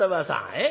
えっ？